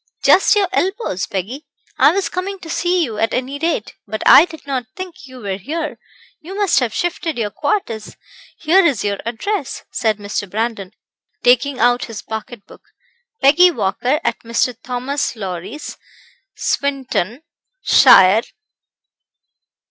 "Just your elbows, Peggy. I was coming to see you at any rate, but I did not think you were here. You must have shifted your quarters. Here is your address," said Mr. Brandon, taking out his pocket book "'Peggy Walker, at Mr. Thomas Lowrie's, Swinton, shire.'